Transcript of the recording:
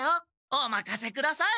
おまかせください！